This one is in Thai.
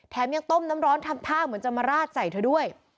ยังต้มน้ำร้อนทำท่าเหมือนจะมาราดใส่เธอด้วย